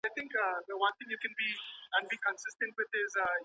په لاس لیکل د اوریدلو مهارت هم ښه کوي.